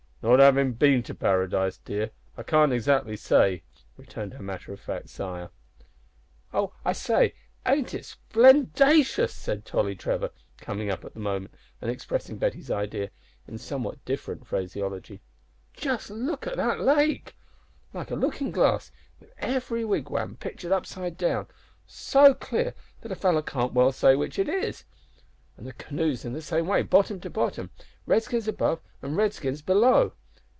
"Not havin' been to paradise, dear, I can't exactly say," returned her matter of fact sire. "Oh, I say, ain't it splendatious!" said Tolly Trevor, coming up at the moment, and expressing Betty's idea in somewhat different phraseology; "just look at the lake like a lookin' glass, with every wigwam pictur'd upside down, so clear that a feller can't well say which is which. An' the canoes in the same way, bottom to bottom, Redskins above and Redskins below.